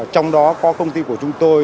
trong đó có công ty của chúng tôi